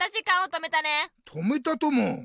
止めたとも！